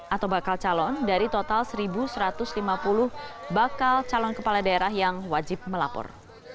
atau bakal calon dari total satu satu ratus lima puluh bakal calon kepala daerah yang wajib melapor